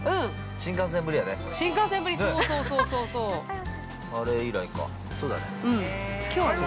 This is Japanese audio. ◆新幹線ぶりやね。